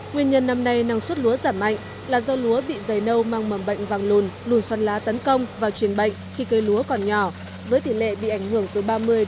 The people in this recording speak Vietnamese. nguyên nhân năm nay năng suất lúa giảm mạnh là do lúa bị dày nâu mang mầm bệnh vang lùn lùn xoắn lá tấn công vào truyền bệnh khi cây lúa còn nhỏ với tỷ lệ bị ảnh hưởng từ ba mươi